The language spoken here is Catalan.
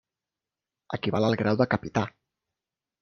Equival al grau de capità.